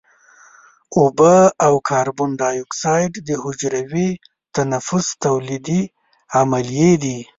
اوبه او کاربن دای اکساید د حجروي تنفس تولیدي عملیې دي.